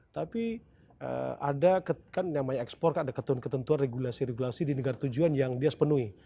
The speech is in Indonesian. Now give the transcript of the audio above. tapi ada kan namanya ekspor kan ada ketentuan ketentuan regulasi regulasi di negara tujuan yang dia sepenuhi